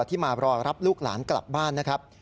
ที่มารอรับลูกหลานกลับบ้านนะครับ